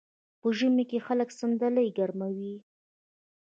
په ژمي کې خلک صندلۍ ګرموي.